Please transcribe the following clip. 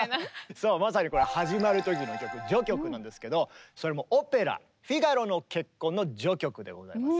そうまさにこれ始まる時の曲序曲なんですけどそれもオペラ「フィガロの結婚」の序曲でございますね。